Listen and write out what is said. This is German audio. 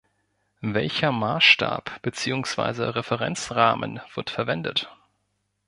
Welcher Maßstab beziehungsweise Referenzrahmen wird verwendet?